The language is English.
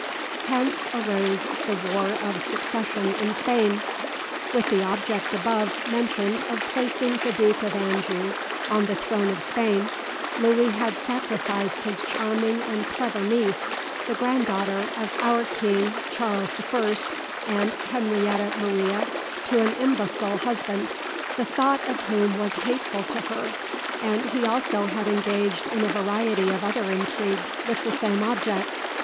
Hence arose the War of Succession in Spain. With the object above mentioned of placing the Duke of Anjou on the throne of Spain, Louis had sacrificed his charming and clever niece, the granddaughter of our King Charles the First and Henrietta Maria to an imbecile husband, the thought of whom was hateful to her, and he also had engaged in a variety of other intrigues with the same object.